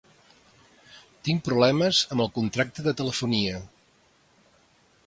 Tinc problemes amb el contracte de telefonia.